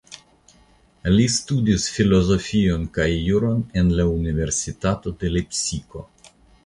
Li studis Filozofion kaj Juron en la Universitato de Lepsiko.